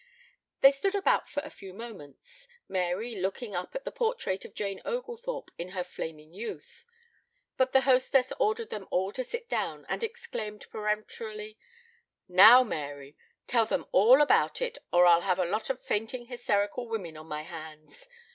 They stood about for a few moments, Mary looking up at the portrait of Jane Oglethorpe in her flaming youth. But the hostess ordered them all to sit down and exclaimed peremptorily: "Now, Mary, tell them all about it or I'll have a lot of fainting hysterical women on my hands.